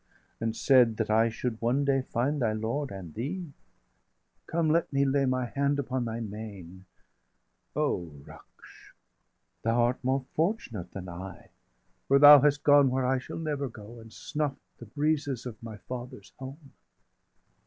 and said, That I should one day find thy lord and thee. 745 Come, let me lay my hand upon thy mane! O Ruksh, thou art more fortunate than I; For thou hast gone where I shall never go, And snuff'd the breezes of my father's home.